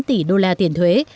một mươi tám tỷ đô la tiền thuế